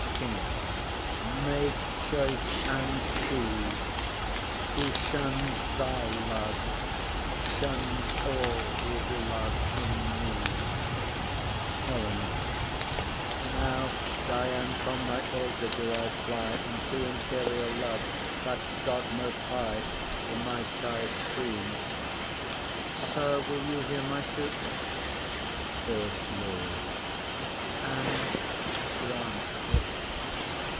KING. Make choice; and, see, Who shuns thy love shuns all his love in me. HELENA. Now, Dian, from thy altar do I fly, And to imperial Love, that god most high, Do my sighs stream. [To first Lord.] Sir, will you hear my suit? FIRST LORD. And grant it.